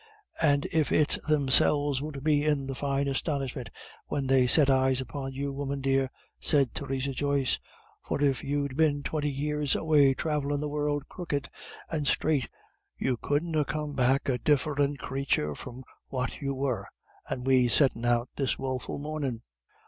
"And if it's themselves won't be in the fine astonishment when they set eyes upon you, woman dear!" said Theresa Joyce, "for if you'd been twenty year away thravellin' the world crooked and straight, you couldn't ha' come back a diff'rinter crathur from what you were, and we settin' out this woeful mornin'.